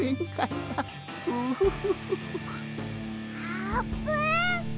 あーぷん。